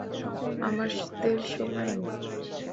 আমাদের সময় নেই।